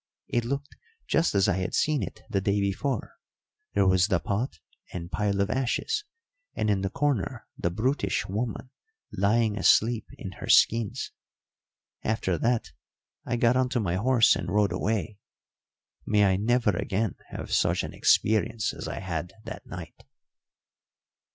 It looked just as I had seen it the day before; there was the pot and pile of ashes, and in the corner the brutish woman lying asleep in her skins. After that I got on to my horse and rode away. May I never again have such an experience as I had that night."